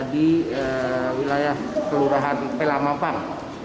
diwilayah kelurahan pela mampang